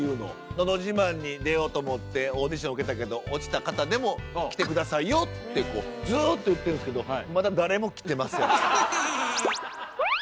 「のど自慢」に出ようと思ってオーディション受けたけど落ちた方でも来て下さいよってずっと言ってるんですけどまだ誰も来てません。